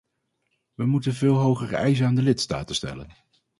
We moeten veel hogere eisen aan de lidstaten stellen.